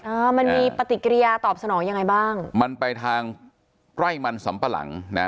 อ่ามันมีปฏิกิริยาตอบสนองยังไงบ้างมันไปทางไร่มันสำปะหลังนะ